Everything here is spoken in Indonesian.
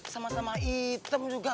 sama sama hitam juga